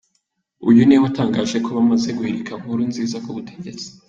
Uyu niwe watangaje ko bamaze guhirika Nkurunziza ku butegetsi.